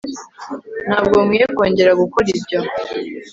ntabwo nkwiye kongera gukora ibyo